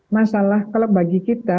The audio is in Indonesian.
masalah kalau bagi kita